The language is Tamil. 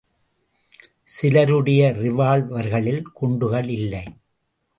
சிலருடைய ரிவால்வர்களில் குண்டுகளில்லை.